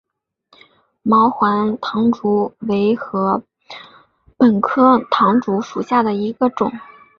毛环唐竹为禾本科唐竹属下的一个种。